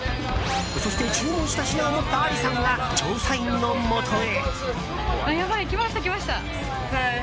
そして、注文した品を持ったアリさんが調査員のもとへ。